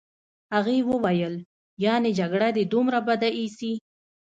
هغې وویل: یعني جګړه دي دومره بده ایسي.